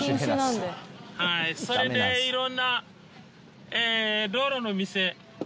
それでいろんな道路の店。